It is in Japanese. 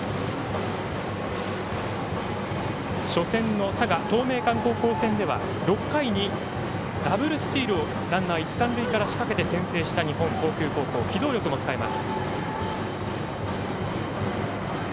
初戦の佐賀・東明館高校戦では６回にダブルスチールをランナー、一塁、三塁から仕掛けて先制した日本航空高校、機動力も使います。